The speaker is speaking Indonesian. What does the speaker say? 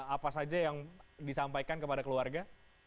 apa saja yang disampaikan kepada keluarga